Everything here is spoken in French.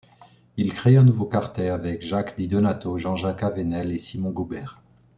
Il crée un nouveau quartet avec Jacques Di Donato, Jean-Jacques Avenel et Simon Goubert.